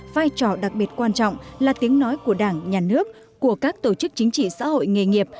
vai trò đặc biệt quan trọng là tiếng nói của đảng nhà nước của các tổ chức chính trị xã hội nghề nghiệp